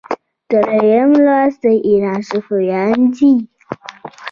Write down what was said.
دریم لوست د ایران صفویان دي.